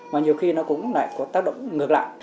mà nhiều khi nó cũng lại có tác động ngược lại